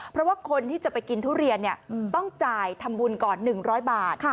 เพราะว่าคนที่จะไปกินทุเรียนต้องจ่ายทำบุญก่อน๑๐๐บาท